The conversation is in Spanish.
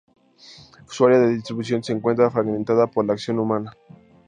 Su área de distribución se encuentra fragmentada por la acción humana.